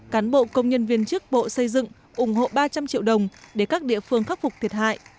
cán bộ công nhân viên chức bộ xây dựng ủng hộ ba trăm linh triệu đồng để các địa phương khắc phục thiệt hại